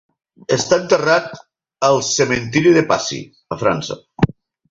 Està enterrat al cementiri de Passy a França.